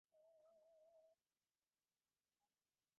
কী তুমি জানো যোগসাধনের?